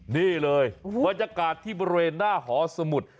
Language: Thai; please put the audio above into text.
นี่เลยบรรยากาศที่บริเวณหน้าหอสมุทร